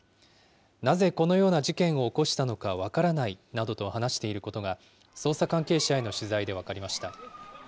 なぜこのような事件を起こしたのか分からないなどと話していることが、捜査関係者への取材で分かりました。